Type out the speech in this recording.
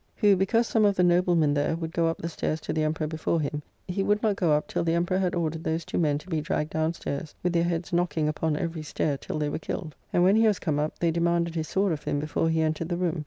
] who, because some of the noblemen there would go up the stairs to the Emperor before him, he would not go up till the Emperor had ordered those two men to be dragged down stairs, with their heads knocking upon every stair till they were killed. And when he was come up, they demanded his sword of him before he entered the room.